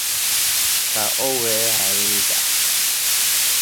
ka o wee ghara ịdà